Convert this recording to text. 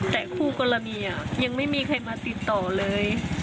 แต่คู่กรณียังไม่มีใครมาติดต่อเลย